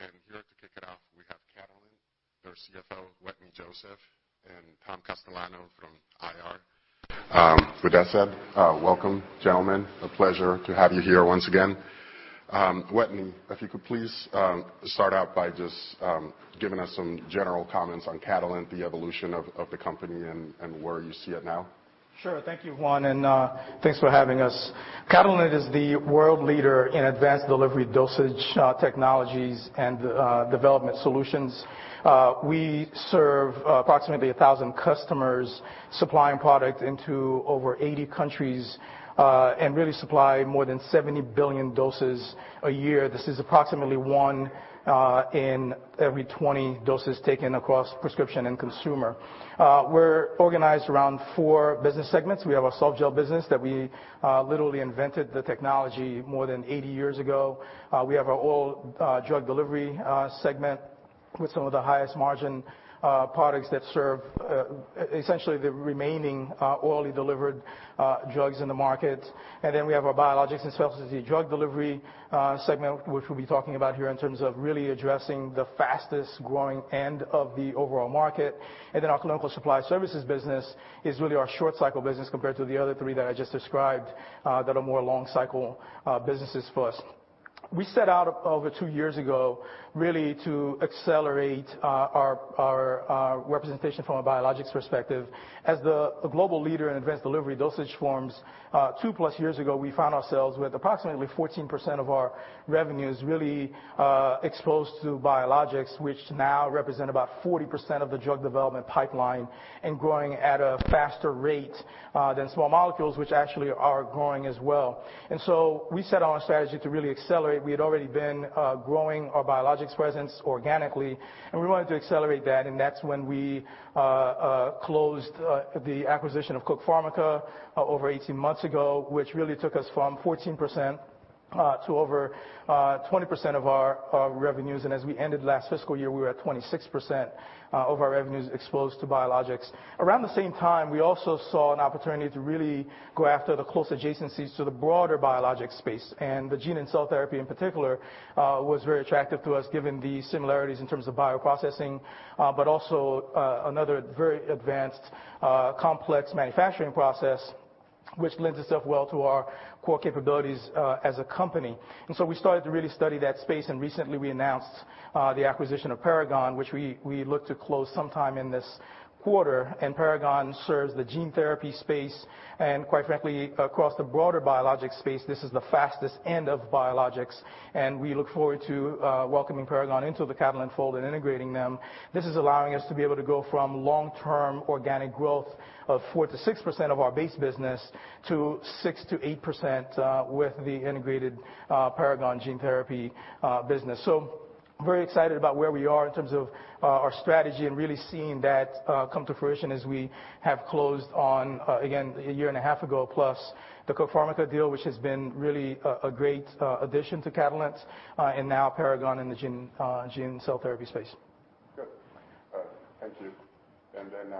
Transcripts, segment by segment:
BMO, and here to kick it off, we have Catalent, their CFO, Wetteny Joseph, and Tom Castellano from IR. With that said, welcome, gentlemen. A pleasure to have you here once again. Wetteny, if you could please start out by just giving us some general comments on Catalent, the evolution of the company, and where you see it now. Sure. Thank you, Juan, and thanks for having us. Catalent is the world leader in advanced delivery dosage technologies and development solutions. We serve approximately 1,000 customers, supplying product into over 80 countries and really supply more than 70 billion doses a year. This is approximately one in every 20 doses taken across prescription and consumer. We're organized around four business segments. We have our Softgel business that we literally invented the technology more than 80 years ago. We have our oral drug delivery segment with some of the highest margin products that serve essentially the remaining orally delivered drugs in the market. And then we have our biologics and specialty drug delivery segment, which we'll be talking about here in terms of really addressing the fastest growing end of the overall market. And then our clinical supply services business is really our short cycle business compared to the other three that I just described that are more long cycle businesses for us. We set out over two years ago really to accelerate our representation from a biologics perspective. As the global leader in advanced delivery dosage forms, two plus years ago, we found ourselves with approximately 14% of our revenues really exposed to biologics, which now represent about 40% of the drug development pipeline and growing at a faster rate than small molecules, which actually are growing as well. And so we set out a strategy to really accelerate. We had already been growing our biologics presence organically, and we wanted to accelerate that. And that's when we closed the acquisition of Cook Pharmica over 18 months ago, which really took us from 14% to over 20% of our revenues. And as we ended last fiscal year, we were at 26% of our revenues exposed to biologics. Around the same time, we also saw an opportunity to really go after the close adjacencies to the broader biologic space. And the gene and cell therapy in particular was very attractive to us given the similarities in terms of bioprocessing, but also another very advanced complex manufacturing process, which lends itself well to our core capabilities as a company. And so we started to really study that space, and recently we announced the acquisition of Paragon, which we look to close sometime in this quarter. And Paragon serves the gene therapy space, and quite frankly, across the broader biologic space, this is the fastest end of biologics. And we look forward to welcoming Paragon into the Catalent fold and integrating them. This is allowing us to be able to go from long-term organic growth of 4-6% of our base business to 6-8% with the integrated Paragon gene therapy business. Very excited about where we are in terms of our strategy and really seeing that come to fruition as we have closed on, again, a year and a half ago plus the Cook Pharmica deal, which has been really a great addition to Catalent and now Paragon in the gene and cell therapy space. Good. Thank you. And then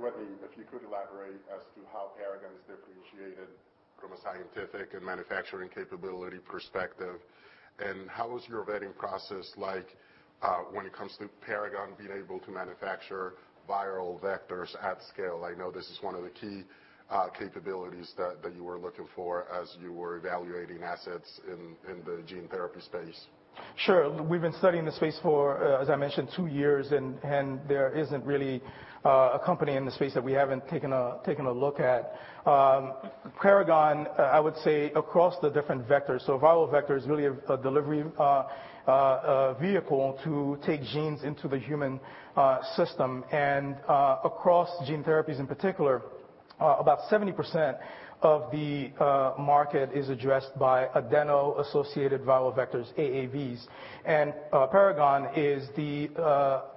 Wetteny, if you could elaborate as to how Paragon is differentiated from a scientific and manufacturing capability perspective, and how is your vetting process like when it comes to Paragon being able to manufacture viral vectors at scale? I know this is one of the key capabilities that you were looking for as you were evaluating assets in the gene therapy space. Sure. We've been studying the space for, as I mentioned, two years, and there isn't really a company in the space that we haven't taken a look at. Paragon, I would say, across the different vectors, so viral vectors really are a delivery vehicle to take genes into the human system, and across gene therapies in particular, about 70% of the market is addressed by adeno-associated viral vectors, AAVs, and Paragon is the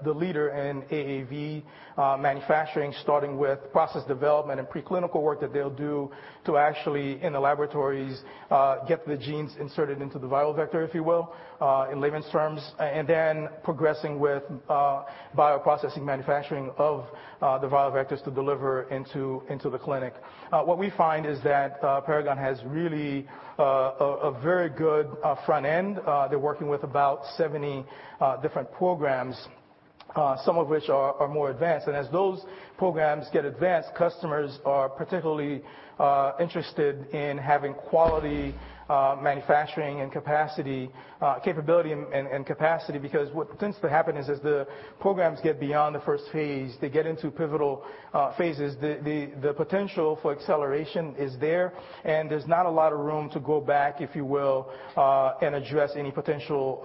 leader in AAV manufacturing, starting with process development and preclinical work that they'll do to actually, in the laboratories, get the genes inserted into the viral vector, if you will, in layman's terms, and then progressing with bioprocessing manufacturing of the viral vectors to deliver into the clinic. What we find is that Paragon has really a very good front end. They're working with about 70 different programs, some of which are more advanced. And as those programs get advanced, customers are particularly interested in having quality manufacturing and capability and capacity because what tends to happen is as the programs get beyond the first phase, they get into pivotal phases, the potential for acceleration is there, and there's not a lot of room to go back, if you will, and address any potential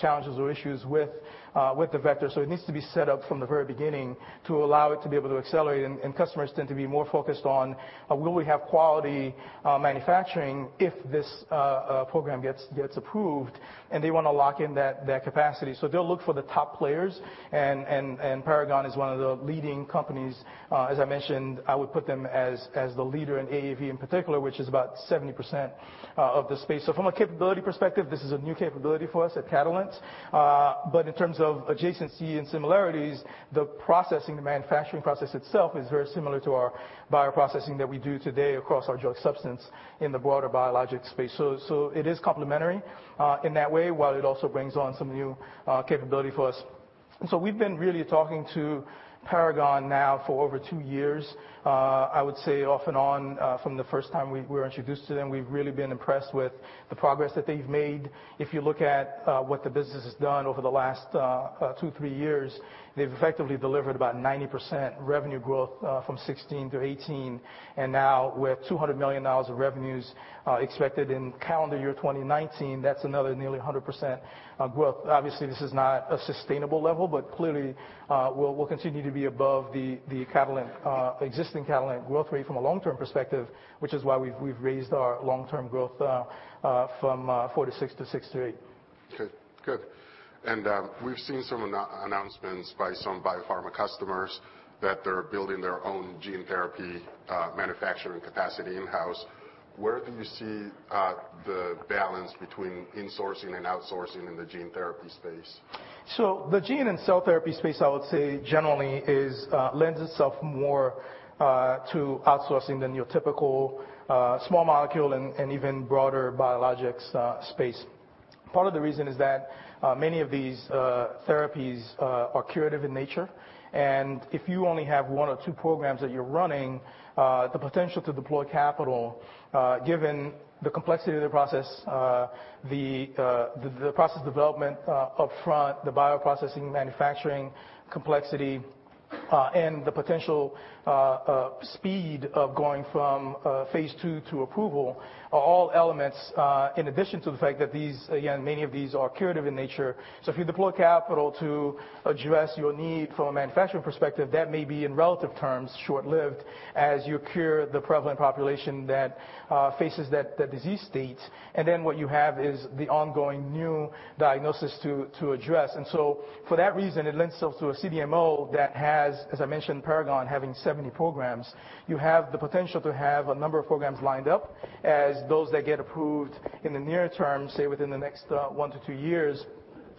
challenges or issues with the vector. So it needs to be set up from the very beginning to allow it to be able to accelerate. And customers tend to be more focused on, will we have quality manufacturing if this program gets approved, and they want to lock in that capacity. So they'll look for the top players, and Paragon is one of the leading companies. As I mentioned, I would put them as the leader in AAV in particular, which is about 70% of the space. From a capability perspective, this is a new capability for us at Catalent. But in terms of adjacency and similarities, the processing, the manufacturing process itself is very similar to our bioprocessing that we do today across our drug substance in the broader biologic space. So it is complementary in that way, while it also brings on some new capability for us. So we've been really talking to Paragon now for over two years, I would say off and on from the first time we were introduced to them. We've really been impressed with the progress that they've made. If you look at what the business has done over the last two, three years, they've effectively delivered about 90% revenue growth from 2016 to 2018, and now we're $200 million of revenues expected in calendar year 2019. That's another nearly 100% growth. Obviously, this is not a sustainable level, but clearly we'll continue to be above the existing Catalent growth rate from a long-term perspective, which is why we've raised our long-term growth from four-to-six to six-to-eight. Good. And we've seen some announcements by some biopharma customers that they're building their own gene therapy manufacturing capacity in-house. Where do you see the balance between insourcing and outsourcing in the gene therapy space? So the gene and cell therapy space, I would say generally lends itself more to outsourcing than your typical small molecule and even broader biologics space. Part of the reason is that many of these therapies are curative in nature, and if you only have one or two programs that you're running, the potential to deploy capital, given the complexity of the process, the process development upfront, the bioprocessing manufacturing complexity, and the potential speed of going from phase two to approval are all elements in addition to the fact that these, again, many of these are curative in nature. So if you deploy capital to address your need from a manufacturing perspective, that may be in relative terms short-lived as you cure the prevalent population that faces that disease state. And then what you have is the ongoing new diagnosis to address. And so for that reason, it lends itself to a CDMO that has, as I mentioned, Paragon having 70 programs. You have the potential to have a number of programs lined up as those that get approved in the near term, say within the next one to two years,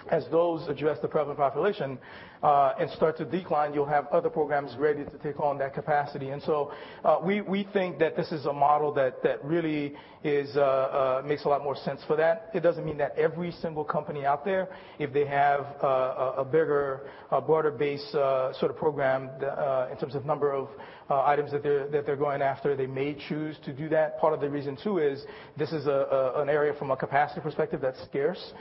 as those address the prevalent population and start to decline. You'll have other programs ready to take on that capacity. And so we think that this is a model that really makes a lot more sense for that. It doesn't mean that every single company out there, if they have a bigger, broader base sort of program in terms of number of items that they're going after, they may choose to do that. Part of the reason too is this is an area from a capacity perspective that's scarce.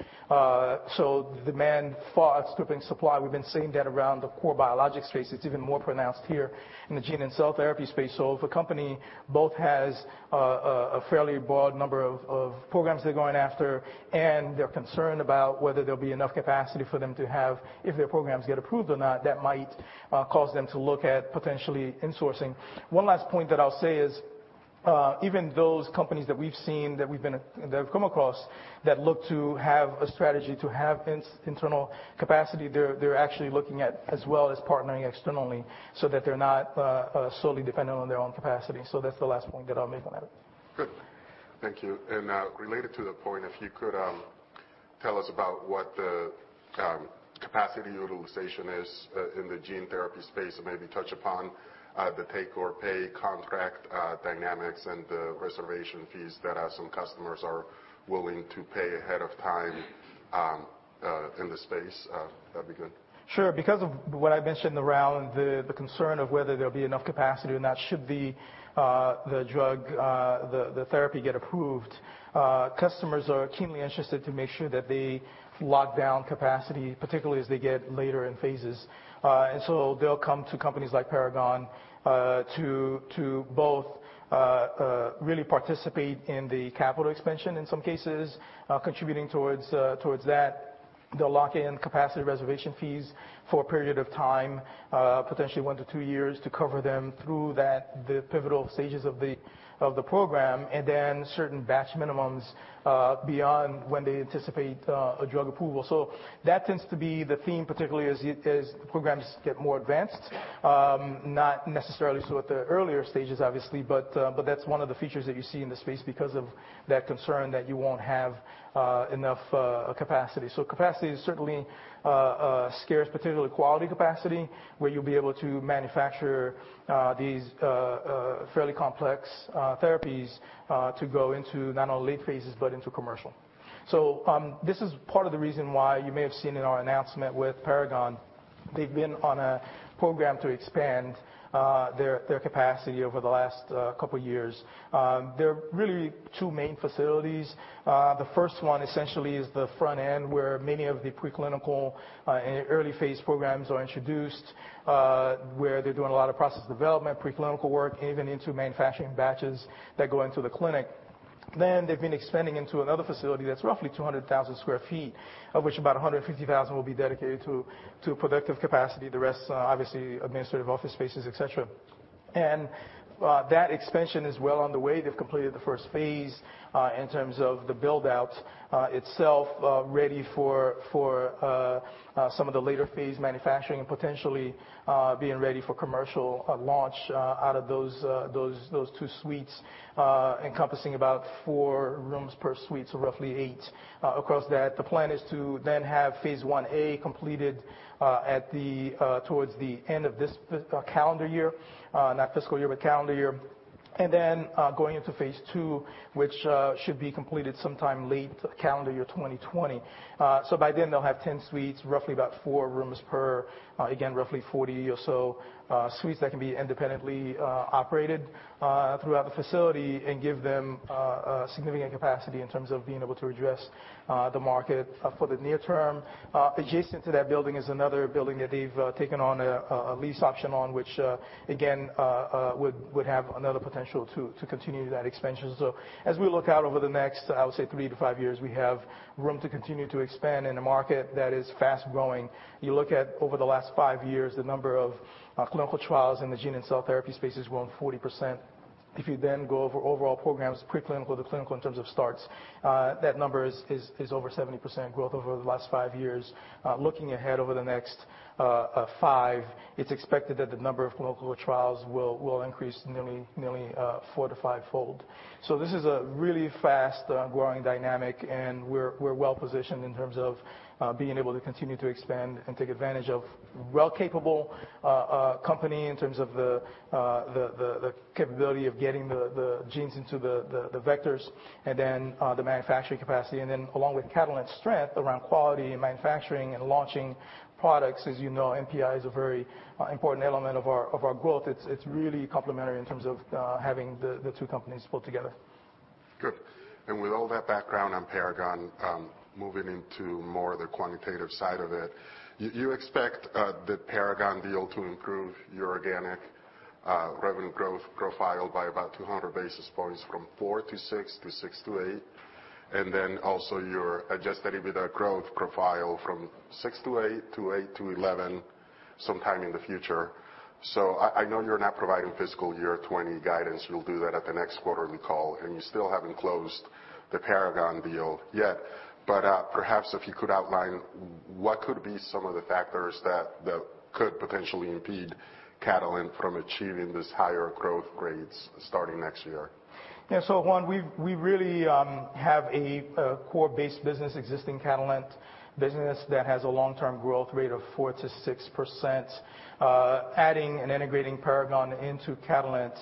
So demand far outstrips supply. We've been seeing that around the core biologics space. It's even more pronounced here in the gene and cell therapy space. So if a company both has a fairly broad number of programs they're going after and they're concerned about whether there'll be enough capacity for them to have if their programs get approved or not, that might cause them to look at potentially insourcing. One last point that I'll say is even those companies that we've seen that we've come across that look to have a strategy to have internal capacity, they're actually looking at as well as partnering externally so that they're not solely dependent on their own capacity. So that's the last point that I'll make on that. Good. Thank you. And related to the point, if you could tell us about what the capacity utilization is in the gene therapy space and maybe touch upon the take or pay contract dynamics and the reservation fees that some customers are willing to pay ahead of time in the space. That'd be good. Sure. Because of what I mentioned around the concern of whether there'll be enough capacity or not should the drug, the therapy get approved, customers are keenly interested to make sure that they lock down capacity, particularly as they get later in phases, and so they'll come to companies like Paragon to both really participate in the capital expansion in some cases, contributing towards that. They'll lock in capacity reservation fees for a period of time, potentially one to two years, to cover them through the pivotal stages of the program and then certain batch minimums beyond when they anticipate a drug approval, so that tends to be the theme, particularly as programs get more advanced, not necessarily so at the earlier stages, obviously, but that's one of the features that you see in the space because of that concern that you won't have enough capacity. Capacity is certainly scarce, particularly quality capacity, where you'll be able to manufacture these fairly complex therapies to go into not only late phases but into commercial. This is part of the reason why you may have seen in our announcement with Paragon. They've been on a program to expand their capacity over the last couple of years. There are really two main facilities. The first one essentially is the front end where many of the preclinical and early phase programs are introduced, where they're doing a lot of process development, preclinical work, even into manufacturing batches that go into the clinic. Then they've been expanding into another facility that's roughly 200,000 sq ft, of which about 150,000 sq ft will be dedicated to productive capacity. The rest, obviously, administrative office spaces, etc. And that expansion is well on the way. They've completed the first phase in terms of the buildout itself, ready for some of the later phase manufacturing and potentially being ready for commercial launch out of those two suites, encompassing about four rooms per suite, so roughly eight across that. The plan is to then have phase one A completed towards the end of this calendar year, not fiscal year, but calendar year, and then going into phase two, which should be completed sometime late calendar year 2020. So by then, they'll have 10 suites, roughly about four rooms per, again, roughly 40 or so suites that can be independently operated throughout the facility and give them significant capacity in terms of being able to address the market for the near term. Adjacent to that building is another building that they've taken on a lease option on, which, again, would have another potential to continue that expansion. So as we look out over the next, I would say, three to five years, we have room to continue to expand in a market that is fast-growing. You look at over the last five years, the number of clinical trials in the gene and cell therapy space has grown 40%. If you then go over overall programs, preclinical to clinical in terms of starts, that number is over 70% growth over the last five years. Looking ahead over the next five, it's expected that the number of clinical trials will increase nearly four to five-fold. So this is a really fast-growing dynamic, and we're well-positioned in terms of being able to continue to expand and take advantage of a well-capable company in terms of the capability of getting the genes into the vectors and then the manufacturing capacity. And then along with Catalent's strength around quality and manufacturing and launching products, as you know, NPI is a very important element of our growth. It's really complementary in terms of having the two companies pulled together. Good. And with all that background on Paragon, moving into more of the quantitative side of it, you expect the Paragon deal to improve your organic revenue growth profile by about 200 basis points from four to six to six to eight, and then also your adjusted EBITDA growth profile from six to eight to eight to eleven sometime in the future. So I know you're not providing fiscal year 2020 guidance. You'll do that at the next quarterly call, and you still haven't closed the Paragon deal yet. But perhaps if you could outline what could be some of the factors that could potentially impede Catalent from achieving this higher growth rates starting next year? Yeah. So one, we really have a core-based business, existing Catalent business that has a long-term growth rate of 4%-6%. Adding and integrating Paragon into Catalent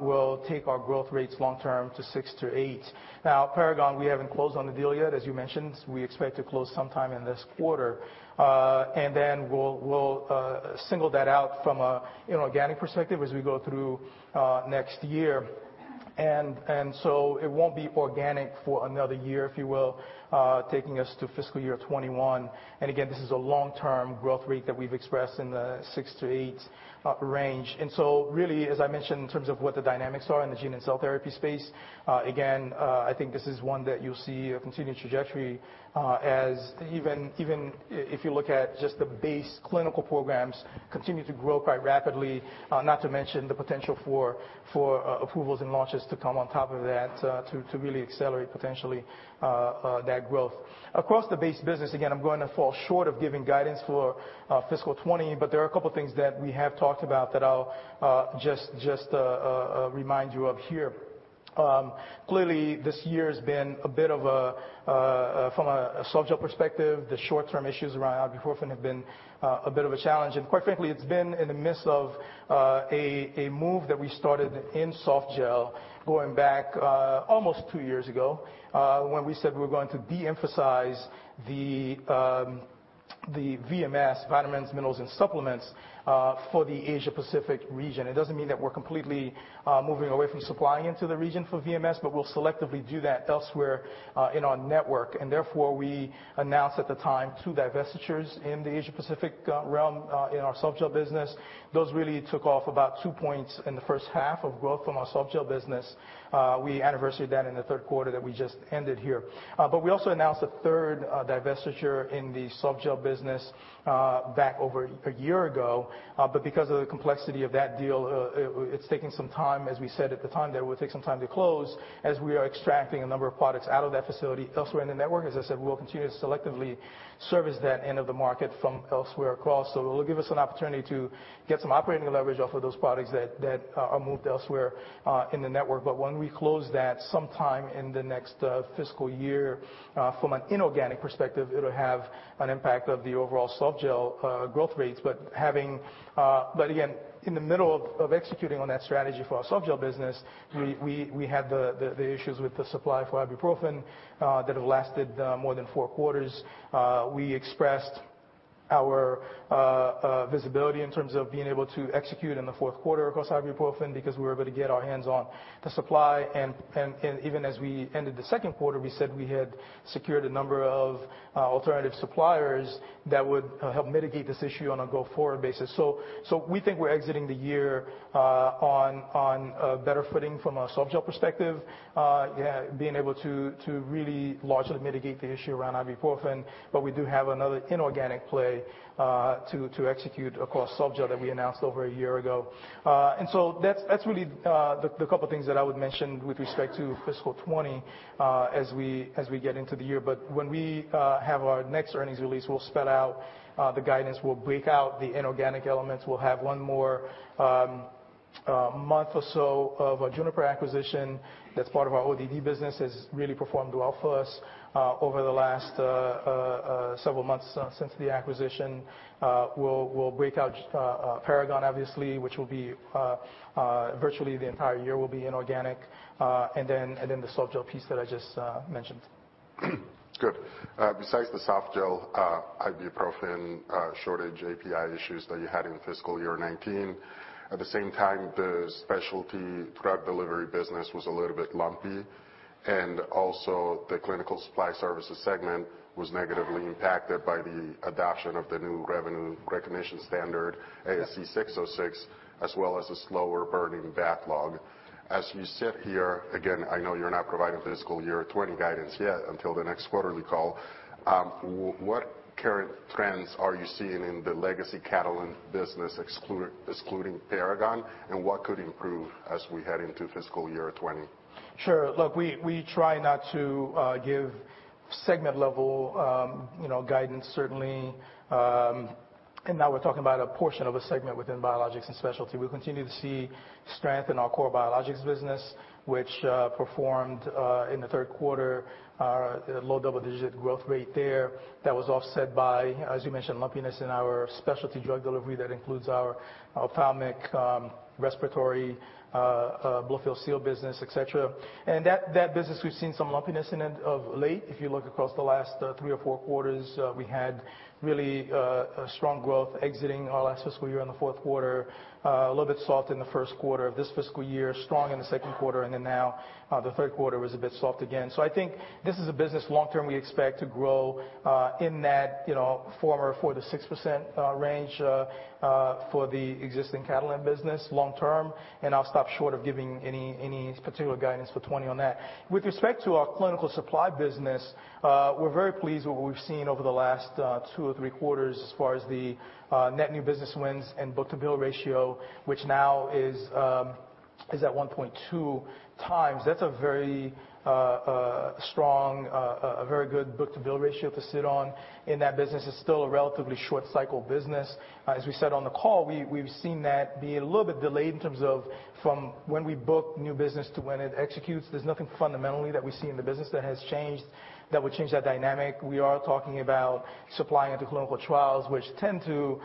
will take our growth rates long-term to 6%-8%. Now, Paragon, we haven't closed on the deal yet, as you mentioned. We expect to close sometime in this quarter. And then we'll single that out from an organic perspective as we go through next year. And so it won't be organic for another year, if you will, taking us to fiscal year 2021. And again, this is a long-term growth rate that we've expressed in the 6%-8% range. So really, as I mentioned, in terms of what the dynamics are in the gene and cell therapy space, again, I think this is one that you'll see a continued trajectory as even if you look at just the base clinical programs continue to grow quite rapidly, not to mention the potential for approvals and launches to come on top of that to really accelerate potentially that growth. Across the base business, again, I'm going to fall short of giving guidance for fiscal 2020, but there are a couple of things that we have talked about that I'll just remind you of here. Clearly, this year has been a bit of a from a softgel perspective, the short-term issues around ibuprofen have been a bit of a challenge. Quite frankly, it's been in the midst of a move that we started in softgel going back almost two years ago when we said we were going to de-emphasize the VMS, vitamins, minerals, and supplements for the Asia-Pacific region. It doesn't mean that we're completely moving away from supplying into the region for VMS, but we'll selectively do that elsewhere in our network. Therefore, we announced at the time two divestitures in the Asia-Pacific realm in our softgel business. Those really took off about two points in the first half of growth from our softgel business. We anniversary that in the third quarter that we just ended here. We also announced a third divestiture in the softgel business back over a year ago. But because of the complexity of that deal, it's taking some time, as we said at the time, that it will take some time to close as we are extracting a number of products out of that facility elsewhere in the network. As I said, we will continue to selectively service that end of the market from elsewhere across. So it will give us an opportunity to get some operating leverage off of those products that are moved elsewhere in the network. But when we close that sometime in the next fiscal year from an inorganic perspective, it'll have an impact of the overall softgel growth rates. But again, in the middle of executing on that strategy for our softgel business, we had the issues with the supply for ibuprofen that have lasted more than four quarters. We expressed our visibility in terms of being able to execute in the fourth quarter across ibuprofen because we were able to get our hands on the supply, and even as we ended the second quarter, we said we had secured a number of alternative suppliers that would help mitigate this issue on a go-forward basis. So we think we're exiting the year on better footing from a softgel perspective, being able to really largely mitigate the issue around ibuprofen, but we do have another inorganic play to execute across softgel that we announced over a year ago, and so that's really the couple of things that I would mention with respect to fiscal 2020 as we get into the year. But when we have our next earnings release, we'll spell out the guidance. We'll break out the inorganic elements. We'll have one more month or so of a Juniper acquisition that's part of our ODD business has really performed well for us over the last several months since the acquisition. We'll break out Paragon, obviously, which will be virtually the entire year will be inorganic, and then the softgel piece that I just mentioned. Good. Besides the softgel ibuprofen shortage API issues that you had in fiscal year 2019, at the same time, the specialty drug delivery business was a little bit lumpy, and also the clinical supply services segment was negatively impacted by the adoption of the new revenue recognition standard ASC 606, as well as a slower burning backlog. As you sit here, again, I know you're not providing fiscal year 2020 guidance yet until the next quarterly call. What current trends are you seeing in the legacy Catalent business, excluding Paragon, and what could improve as we head into fiscal year 2020? Sure. Look, we try not to give segment-level guidance, certainly, and now we're talking about a portion of a segment within biologics and specialty. We'll continue to see strength in our core biologics business, which performed in the third quarter, low double-digit growth rate there that was offset by, as you mentioned, lumpiness in our specialty drug delivery that includes our ophthalmic, respiratory, blow-fill-seal business, etc., and that business, we've seen some lumpiness in it of late. If you look across the last three or four quarters, we had really strong growth exiting our last fiscal year in the fourth quarter, a little bit soft in the first quarter of this fiscal year, strong in the second quarter, and then now the third quarter was a bit soft again. So I think this is a business long-term we expect to grow in that 4-6% range for the existing Catalent business long-term. And I'll stop short of giving any particular guidance for 2020 on that. With respect to our clinical supply business, we're very pleased with what we've seen over the last two or three quarters as far as the net new business wins and book-to-bill ratio, which now is at 1.2 times. That's a very strong, a very good book-to-bill ratio to sit on in that business. It's still a relatively short-cycle business. As we said on the call, we've seen that be a little bit delayed in terms of from when we book new business to when it executes. There's nothing fundamentally that we see in the business that has changed that would change that dynamic. We are talking about supplying into clinical trials, which tend to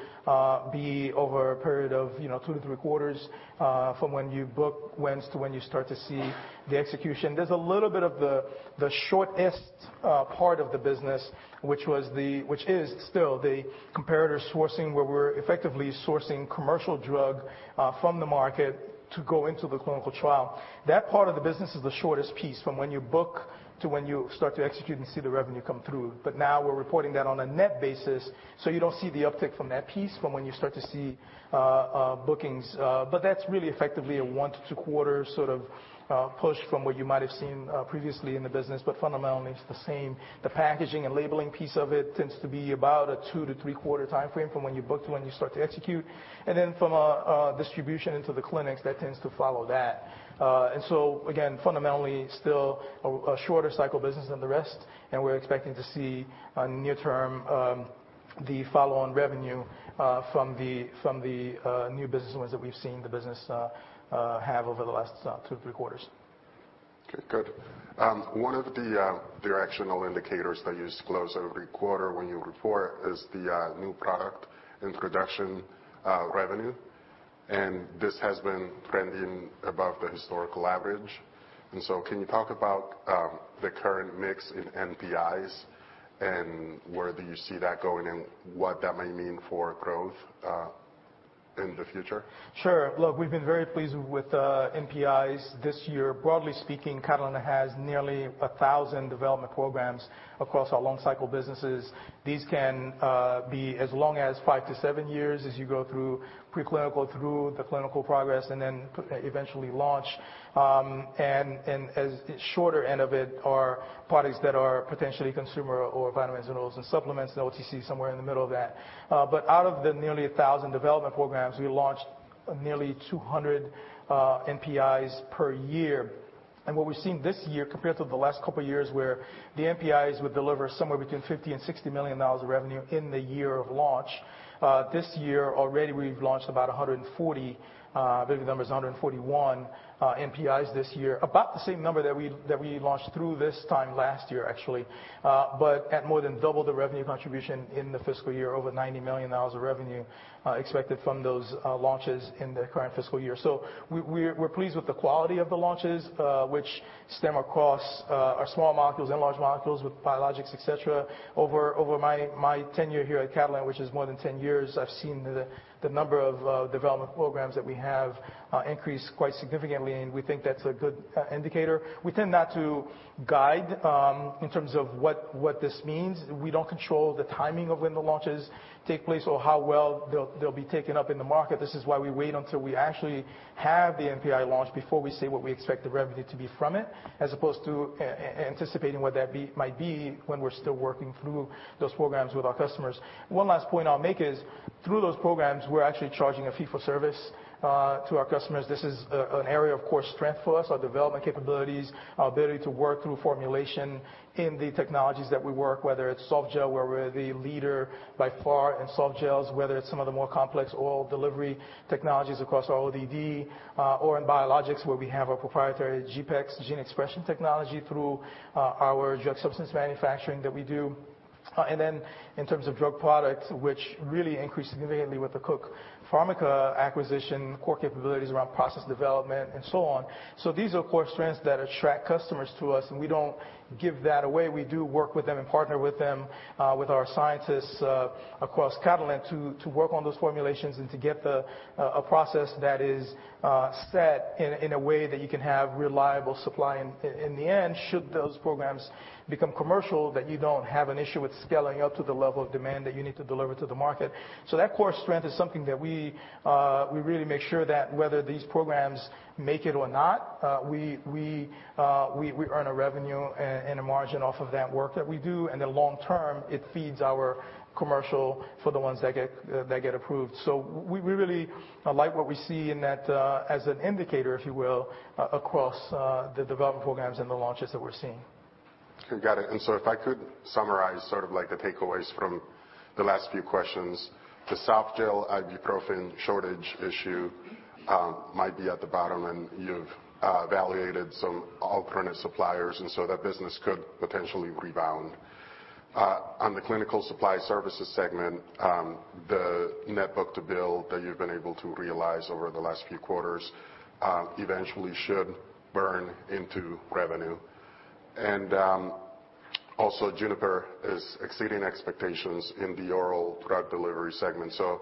be over a period of two to three quarters from when you book wins to when you start to see the execution. There's a little bit of the shortest part of the business, which is still the comparator sourcing where we're effectively sourcing commercial drug from the market to go into the clinical trial. That part of the business is the shortest piece from when you book to when you start to execute and see the revenue come through. But now we're reporting that on a net basis, so you don't see the uptick from that piece from when you start to see bookings. But that's really effectively a one to two quarter sort of push from what you might have seen previously in the business. But fundamentally, it's the same. The packaging and labeling piece of it tends to be about a two- to three-quarter timeframe from when you book to when you start to execute. And then from a distribution into the clinics, that tends to follow that. And so, again, fundamentally, still a shorter-cycle business than the rest. And we're expecting to see near-term the follow-on revenue from the new business wins that we've seen the business have over the last two- to three quarters. Okay. Good. One of the directional indicators that you disclose every quarter when you report is the new product introduction revenue. And this has been trending above the historical average. And so can you talk about the current mix in NPIs and where do you see that going and what that might mean for growth in the future? Sure. Look, we've been very pleased with NPIs this year. Broadly speaking, Catalent has nearly 1,000 development programs across our long-cycle businesses. These can be as long as five to seven years as you go through preclinical, through the clinical progress, and then eventually launch, and as the shorter end of it are products that are potentially consumer or vitamins, minerals, and supplements, and OTC somewhere in the middle of that. But out of the nearly 1,000 development programs, we launched nearly 200 NPIs per year. What we've seen this year compared to the last couple of years where the NPIs would deliver somewhere between $50-$60 million of revenue in the year of launch, this year already we've launched about 140, maybe the number is 141 NPIs this year, about the same number that we launched through this time last year, actually, but at more than double the revenue contribution in the fiscal year, over $90 million of revenue expected from those launches in the current fiscal year. So we're pleased with the quality of the launches, which stem across our small molecules and large molecules with biologics, etc. Over my tenure here at Catalent, which is more than 10 years, I've seen the number of development programs that we have increase quite significantly. We think that's a good indicator. We tend not to guide in terms of what this means. We don't control the timing of when the launches take place or how well they'll be taken up in the market. This is why we wait until we actually have the NPI launch before we say what we expect the revenue to be from it, as opposed to anticipating what that might be when we're still working through those programs with our customers. One last point I'll make is through those programs, we're actually charging a fee for service to our customers. This is an area, of course, strength for us, our development capabilities, our ability to work through formulation in the technologies that we work, whether it's softgel, where we're the leader by far in softgels, whether it's some of the more complex oral delivery technologies across our ODD, or in biologics where we have our proprietary GPEx gene expression technology through our drug substance manufacturing that we do, and then in terms of drug products, which really increased significantly with the Cook Pharmica acquisition, core capabilities around process development, and so on. So these are, of course, strengths that attract customers to us, and we don't give that away. We do work with them and partner with them with our scientists across Catalent to work on those formulations and to get a process that is set in a way that you can have reliable supply in the end should those programs become commercial, that you don't have an issue with scaling up to the level of demand that you need to deliver to the market. So that core strength is something that we really make sure that whether these programs make it or not, we earn a revenue and a margin off of that work that we do. And then long-term, it feeds our commercial for the ones that get approved. So we really like what we see in that as an indicator, if you will, across the development programs and the launches that we're seeing. Okay. Got it. And so if I could summarize sort of like the takeaways from the last few questions, the softgel ibuprofen shortage issue might be at the bottom, and you've evaluated some alternate suppliers. And so that business could potentially rebound. On the Clinical Supply Services segment, the net book-to-bill that you've been able to realize over the last few quarters eventually should turn into revenue. And also, Juniper is exceeding expectations in the Oral Drug Delivery segment. So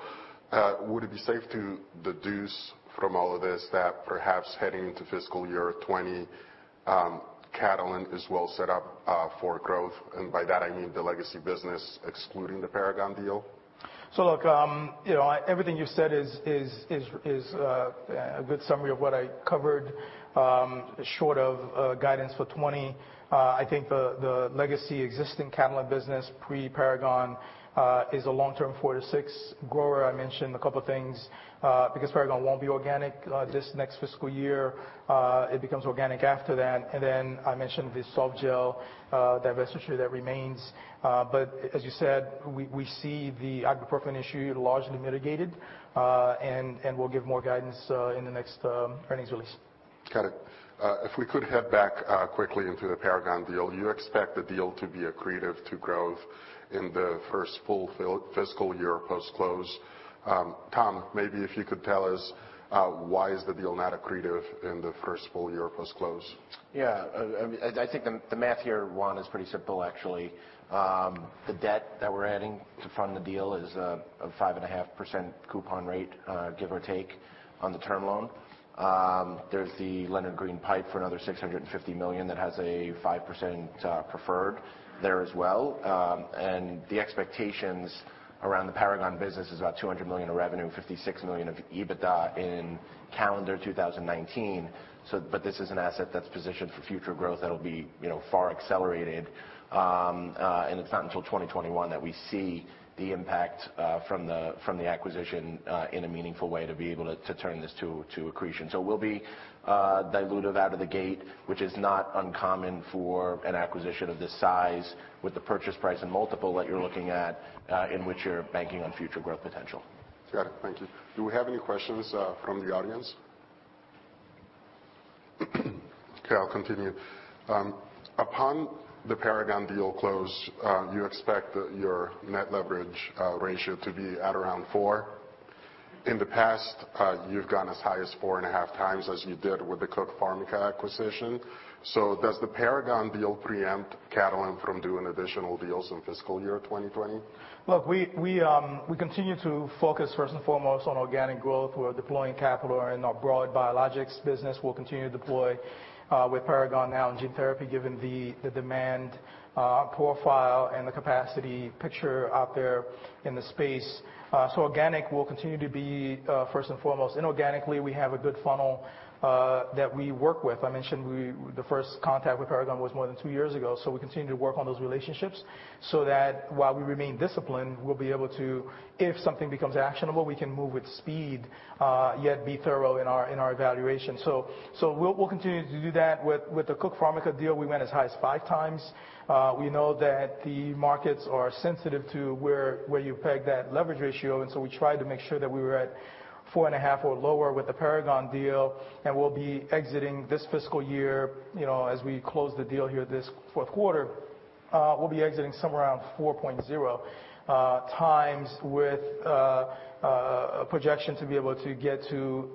would it be safe to deduce from all of this that perhaps heading into fiscal year 2020, Catalent is well set up for growth? And by that, I mean the legacy business excluding the Paragon deal. So look, everything you've said is a good summary of what I covered short of guidance for 2020. I think the legacy existing Catalent business pre-Paragon is a long-term four to six grower. I mentioned a couple of things because Paragon won't be organic this next fiscal year. It becomes organic after that, and then I mentioned the softgel divestiture that remains, but as you said, we see the Ibuprofen issue largely mitigated, and we'll give more guidance in the next earnings release. Got it. If we could head back quickly into the Paragon deal, you expect the deal to be accretive to growth in the first full fiscal year post-close. Tom, maybe if you could tell us why is the deal not accretive in the first full year post-close? Yeah. I think the math here, Juan, is pretty simple, actually. The debt that we're adding to fund the deal is a 5.5% coupon rate, give or take, on the term loan. There's the Leonard Green PIPE for another $650 million that has a 5% preferred there as well. And the expectations around the Paragon business is about $200 million of revenue, $56 million of EBITDA in calendar 2019. But this is an asset that's positioned for future growth that'll be far accelerated. And it's not until 2021 that we see the impact from the acquisition in a meaningful way to be able to turn this to accretion. So we'll be dilutive out of the gate, which is not uncommon for an acquisition of this size with the purchase price and multiple that you're looking at in which you're banking on future growth potential. Got it. Thank you. Do we have any questions from the audience? Okay. I'll continue. Upon the Paragon deal close, you expect that your net leverage ratio to be at around four. In the past, you've gone as high as four and a half times as you did with the Cook Pharmica acquisition. So does the Paragon deal preempt Catalent from doing additional deals in fiscal year 2020? Look, we continue to focus first and foremost on organic growth. We're deploying capital in our broad biologics business. We'll continue to deploy with Paragon now in gene therapy given the demand profile and the capacity picture out there in the space. So organic will continue to be first and foremost. Inorganically, we have a good funnel that we work with. I mentioned the first contact with Paragon was more than two years ago. So we continue to work on those relationships so that while we remain disciplined, we'll be able to, if something becomes actionable, we can move with speed, yet be thorough in our evaluation. So we'll continue to do that. With the Cook Pharmica deal, we went as high as five times. We know that the markets are sensitive to where you peg that leverage ratio. And so we tried to make sure that we were at 4.5 or lower with the Paragon deal. And we'll be exiting this fiscal year as we close the deal here this fourth quarter, we'll be exiting somewhere around 4.0 times with a projection to be able to get to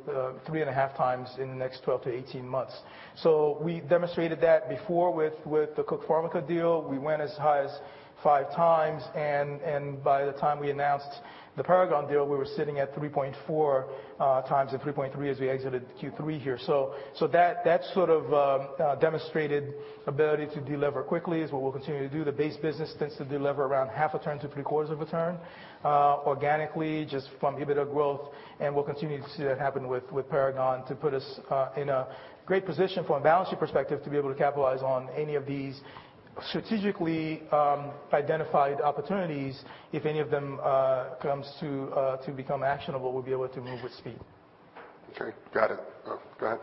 3.5 times in the next 12 months-18 months. So we demonstrated that before with the Cook Pharmica deal. We went as high as five times. And by the time we announced the Paragon deal, we were sitting at 3.4 times and 3.3 as we exited Q3 here. So that sort of demonstrated ability to deliver quickly is what we'll continue to do. The base business tends to deliver around 0.5 turn-0.75 turn organically just from EBITDA growth. We'll continue to see that happen with Paragon to put us in a great position from a balance sheet perspective to be able to capitalize on any of these strategically identified opportunities. If any of them comes to become actionable, we'll be able to move with speed. Okay. Got it. Go ahead.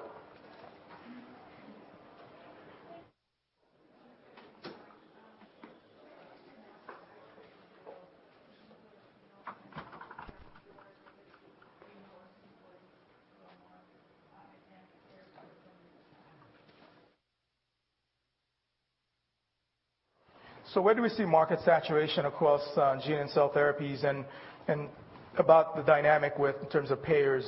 So where do we see market saturation across gene and cell therapies and about the dynamic in terms of payers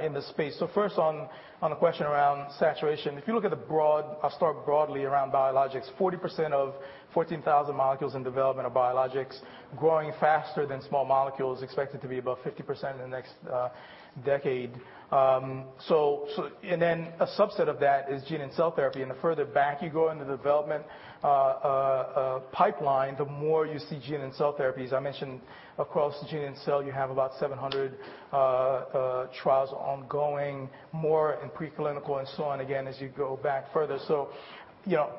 in the space? So first, on the question around saturation, if you look at the broad, I'll start broadly around biologics. 40% of 14,000 molecules in development of biologics growing faster than small molecules expected to be about 50% in the next decade. And then a subset of that is gene and cell therapy. And the further back you go in the development pipeline, the more you see gene and cell therapies. I mentioned across gene and cell, you have about 700 trials ongoing, more in preclinical and so on, again as you go back further. So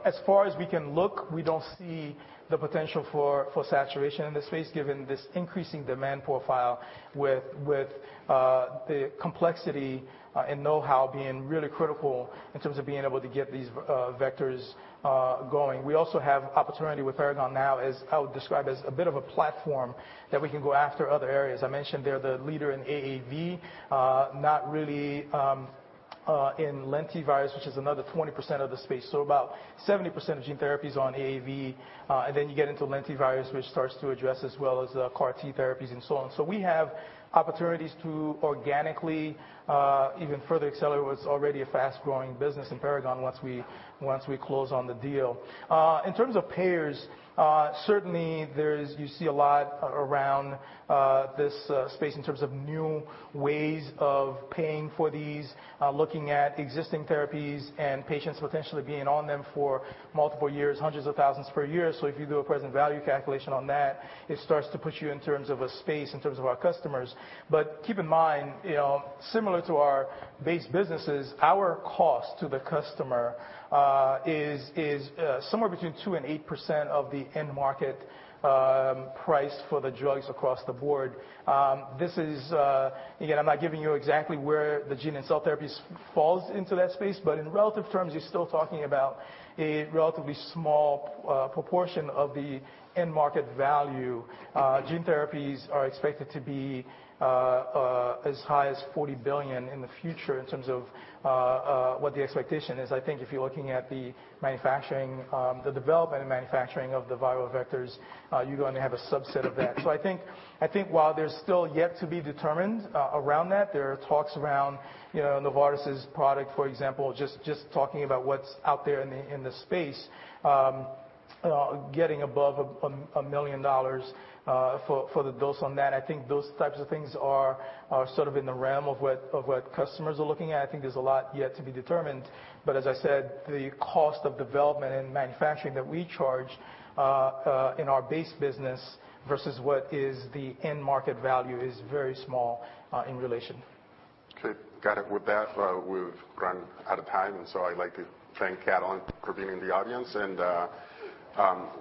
as far as we can look, we don't see the potential for saturation in this space given this increasing demand profile with the complexity and know-how being really critical in terms of being able to get these vectors going. We also have opportunity with Paragon now as I would describe as a bit of a platform that we can go after other areas. I mentioned they're the leader in AAV, not really in lentivirus, which is another 20% of the space. So about 70% of gene therapies on AAV. And then you get into lentivirus, which starts to address as well as CAR-T therapies and so on. So we have opportunities to organically even further accelerate what's already a fast-growing business in Paragon once we close on the deal. In terms of payers, certainly you see a lot around this space in terms of new ways of paying for these, looking at existing therapies and patients potentially being on them for multiple years, hundreds of thousands per year. So if you do a present value calculation on that, it starts to put you in terms of a space in terms of our customers. But keep in mind, similar to our base businesses, our cost to the customer is somewhere between 2% and 8% of the end market price for the drugs across the board. This is, again, I'm not giving you exactly where the gene and cell therapies falls into that space, but in relative terms, you're still talking about a relatively small proportion of the end market value. Gene therapies are expected to be as high as $40 billion in the future in terms of what the expectation is. I think if you're looking at the development and manufacturing of the viral vectors, you're going to have a subset of that. So I think while there's still yet to be determined around that, there are talks around Novartis's product, for example, just talking about what's out there in the space, getting above $1 million for the dose on that. I think those types of things are sort of in the realm of what customers are looking at. I think there's a lot yet to be determined. But as I said, the cost of development and manufacturing that we charge in our base business versus what is the end market value is very small in relation. Okay. Got it. With that, we've run out of time, and so I'd like to thank Catalent for being in the audience, and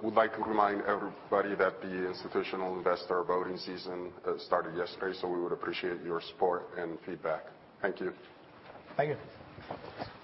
we'd like to remind everybody that the institutional investor voting season started yesterday, so we would appreciate your support and feedback. Thank you. Thank you.